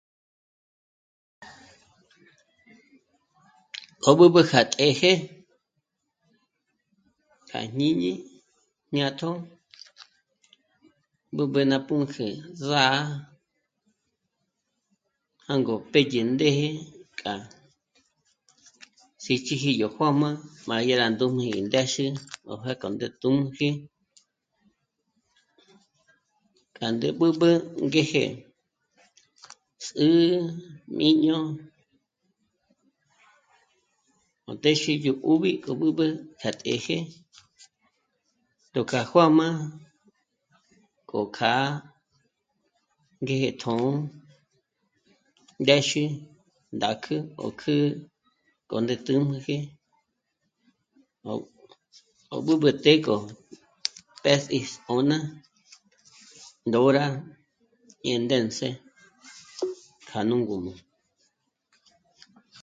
Ó b'ǚb'ü kja t'ë́jë kja jñíñi jñátjo b'ǚb'ü ná pǔnk'ü zá'a jângo pédye ndéje k'a síchiji yó juā́jmā má dyá rá ndújm'ü ndéxe b'á pjék'o ndé tū́jmüji k'a ndé b'ǚb'ü ngéje ts'ǚ'ü, jmíño o téxe yó b'ǘb'i ko b'ǚb'ü kja t'ë́jë yó k'a juā́jmā k'o kjâ'a ngéje tjṓ'ō, ndéxü, ndákjü, o kjǘ'ü k'o ndé tū́jmüji 'o..., ó b'ǚb'ü të́'ë k'o pë́pji s'ô'n'a, ndóra, dyé ndë̌ns'ë k'a nú ngǔm'ü